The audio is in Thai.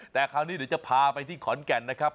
แต่คราวนี้เดี๋ยวจะพาไปที่ขอนแก่นนะครับ